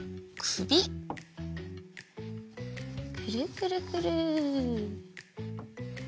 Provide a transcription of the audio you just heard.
くるくるくる。